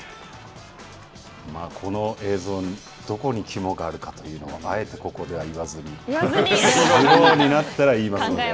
この映像、どこに肝があるかというのは、あえてここでは言わずに、スローになったらいいます。